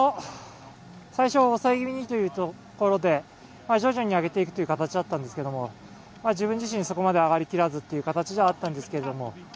最初抑え気味にというところで徐々に上げていくという形だったんですけど自分自身、そこまで上がりきらずという形ではあったんですけども。